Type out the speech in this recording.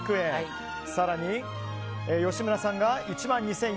更に、吉村さんが１万２４００円。